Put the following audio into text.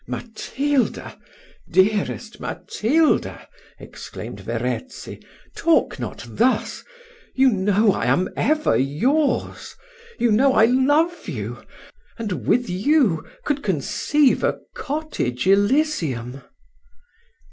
"Matilda! dearest Matilda!" exclaimed Verezzi, "talk not thus; you know I am ever yours; you know I love you, and with you, could conceive a cottage elysium."